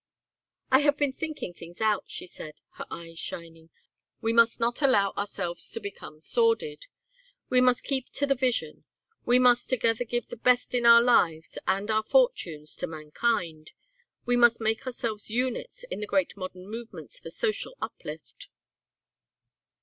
"I have been thinking things out," she said, her eyes shining. "We must not allow ourselves to become sordid. We must keep to the vision. We must together give the best in our lives and our fortunes to mankind. We must make ourselves units in the great modern movements for social uplift."